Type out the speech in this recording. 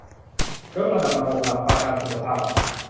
ยกระดับระบบหลักประกันสุขภาพ